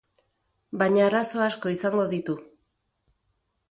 Baina arazo asko izango ditu.